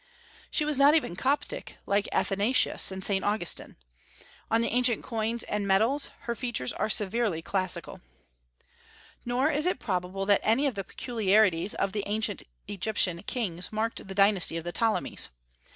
She was not even Coptic, like Athanasius and Saint Augustine. On the ancient coins and medals her features are severely classical. Nor is it probable that any of the peculiarities of the ancient Egyptian kings marked the dynasty of the Ptolemies.